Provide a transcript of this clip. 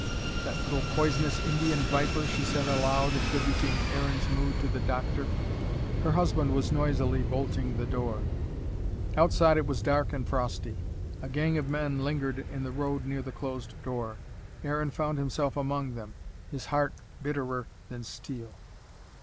"That little poisonous Indian viper," she said aloud, attributing Aaron's mood to the doctor. Her husband was noisily bolting the door. Outside it was dark and frosty. A gang of men lingered in the road near the closed door. Aaron found himself among them, his heart bitterer than steel.